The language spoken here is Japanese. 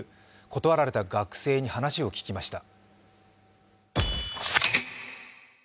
断られた学生の話を聞きました。